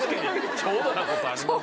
ちょうどな事あります？